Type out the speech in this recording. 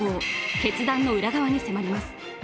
決断の裏側に迫ります。